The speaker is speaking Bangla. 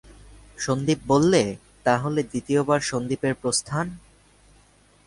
সন্দীপ বললে, তা হলে দ্বিতীয়বার সন্দীপের প্রস্থান?